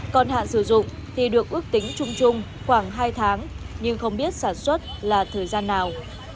còn hạn sử dụng thì được ước tính chung chung khoảng hai tháng nhưng không biết sản xuất là thời gian nào